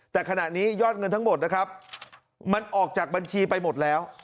แต่ขณะนี้ยอดเงินทั้งหมดนะครับมันออกจากบัญชีไปหมดแล้ว